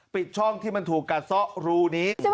ปิดช่องที่มันถูกกัดซ่อรูนี้